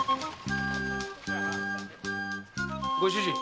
ご主人。